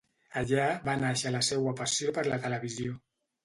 Allà va nàixer la seua passió per la televisió.